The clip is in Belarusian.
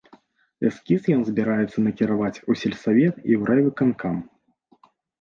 Эскіз ён збіраецца накіраваць у сельсавет і ў райвыканкам.